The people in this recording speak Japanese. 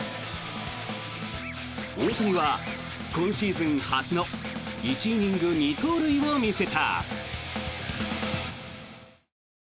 大谷は今シーズン初の１イニング２盗塁を見せた。